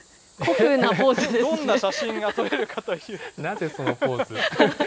どんな写真が撮れるかというなぜそのポーズ。